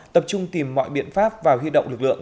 tập trung tìm mọi biện pháp và huy động lực lượng